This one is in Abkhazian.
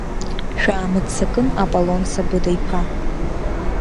Шәаамыццакын Аполон Сабыда-иԥа.